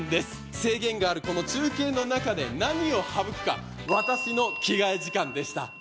制限がある中継の中で何を省くか、私の着替え時間でした。